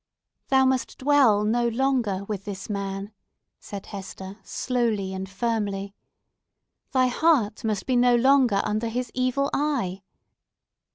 "Thou must dwell no longer with this man," said Hester, slowly and firmly. "Thy heart must be no longer under his evil eye!"